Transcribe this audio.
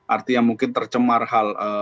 artinya mungkin tercemar hal